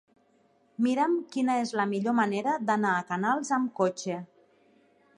Mira'm quina és la millor manera d'anar a Canals amb cotxe.